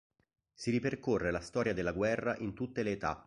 Si ripercorre la storia della guerra in tutte le età.